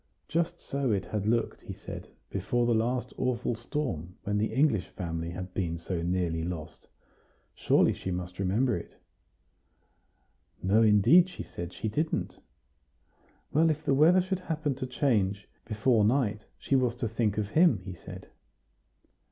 Just so it had looked, he said, before the last awful storm, when the English family had been so nearly lost; surely she must remember it? No, indeed, she said, she didn't. Well, if the weather should happen to change before night, she was to think of him, he said.